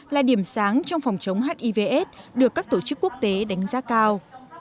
là điểm sáng trong phòng chống hiv aids được các tổ chức quốc tế đánh giá cao